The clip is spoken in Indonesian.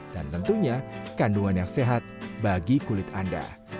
dan tentunya kandungan yang sehat bagi kulit anda